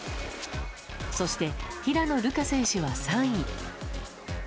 そして、平野流佳選手は３位。